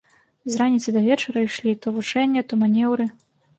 З раніцы да вечара ішлі то вучэнне, то манеўры.